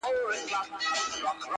سردارانو يو د بل وهل سرونه،